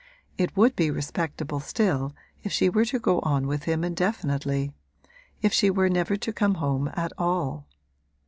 It would be respectable still if she were to go on with him indefinitely if she never were to come home at all.